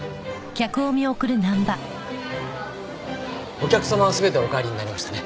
お客様は全てお帰りになりましたね？